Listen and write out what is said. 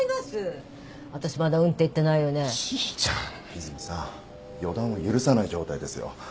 和泉さん予断を許さない状態ですよ。